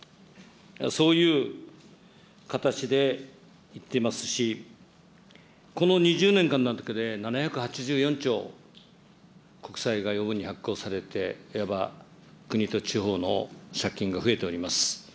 そういう形でいっていますし、この２０年間で７８４兆、国債が余分に発行されて、いわば国と地方の借金が増えております。